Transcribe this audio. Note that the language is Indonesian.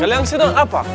kalian sih tuh apa